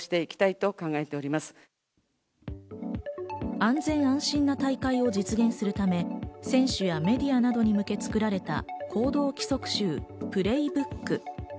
安全安心な大会を実現するため、選手やメディアなどに向けて作られた行動規則集・プレイブック。